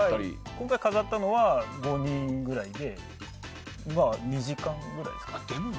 今回飾ったのは５人くらいで２時間くらいですかね。